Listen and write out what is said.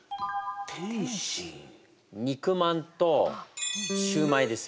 肉まんとシューマイです。